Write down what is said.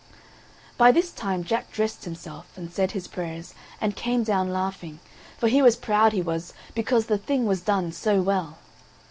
By this time Jack dressed himself, and said his prayers, and came down laughing; for he was proud, he was, because the thing was done so well.